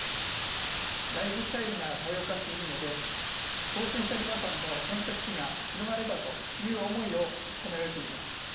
ライフスタイルが多様化しているので当せんした皆様の選択肢が広がればという思いが込められています。